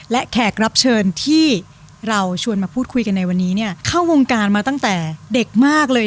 และแขกรับเชิญที่เราชวนมาพูดคุยกันในวันนี้เนี่ยเข้าวงการมาตั้งแต่เด็กมากเลย